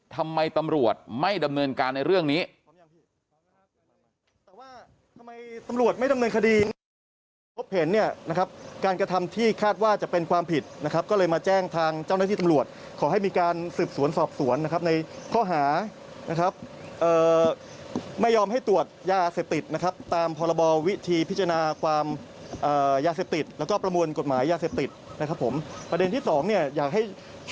ทำไมตำรวจไม่ดำเนินการในเรื่องนี้